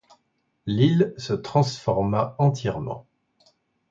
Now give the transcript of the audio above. L'île se transforma entièrement.